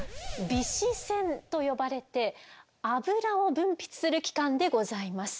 「尾脂腺」と呼ばれて脂を分泌する器官でございます。